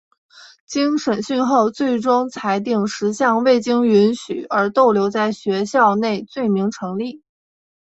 经审讯后最终裁定十项未经准许而逗留在学校内罪名成立。